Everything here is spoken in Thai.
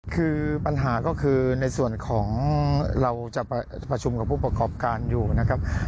คือปัญหาก็คือในส่วนของเราจะประชุมกับผู้ประกอบการอยู่นะครับ